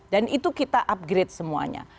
dan itu kita upgrade semuanya